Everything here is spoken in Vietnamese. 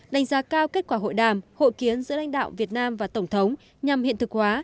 đánh giá cao kết quả hội đàm hội kiến giữa lãnh đạo việt nam và tổng thống nhằm hiện thực hóa